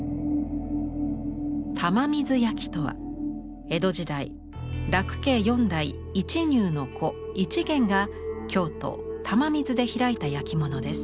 玉水焼とは江戸時代樂家四代一入の子一元が京都・玉水で開いた焼き物です。